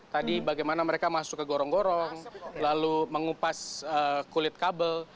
tadi bagaimana mereka masuk ke gorong gorong lalu mengupas kulit kabel